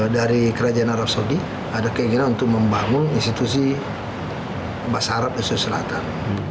dari kerajaan arab saudi ada keinginan untuk membangun institusi bahasa arab saudi selatan